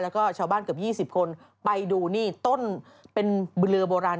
แล้วก็ชาวบ้านเกือบ๒๐คนไปดูนี่ต้นเป็นเรือโบราณ